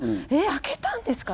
開けたんですか！